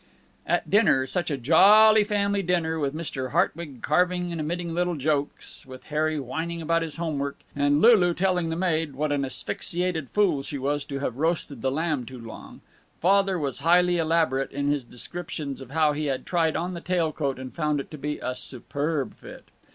At dinner such a jolly family dinner, with Mr. Hartwig carving and emitting little jokes, with Harry whining about his homework and Lulu telling the maid what an asphyxiated fool she was to have roasted the lamb too long Father was highly elaborate in his descriptions of how he had tried on the tail coat and found it to be a superb fit.